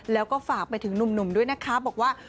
แล้วก็ฝากไปถึงหนุ่มด้วยนะคะบอกว่า